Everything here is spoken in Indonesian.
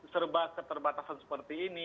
serba keterbatasan seperti ini